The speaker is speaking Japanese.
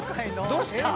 どうした？